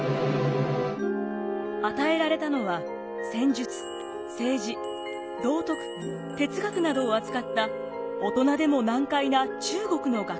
与えられたのは戦術政治道徳哲学などを扱った大人でも難解な中国の学問書。